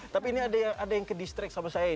tapi ini ada yang ke distrik sama saya